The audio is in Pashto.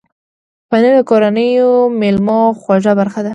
پنېر د کورنۍ مېلو خوږه برخه ده.